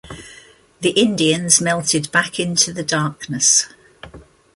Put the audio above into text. The Indians melted back into the darkness.